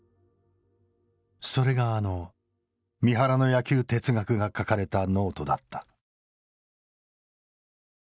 それがあの三原の野球哲学が書かれたノートだった。